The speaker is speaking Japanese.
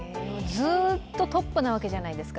ずっとトップなわけじゃないですか。